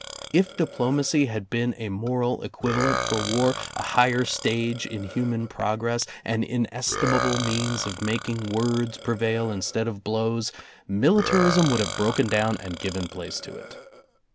If diplomacy had been a moral equivalent for war, a higher stage in human progress, an inestimable means of making words prevail instead of blows, militarism would have broken down and given place to it.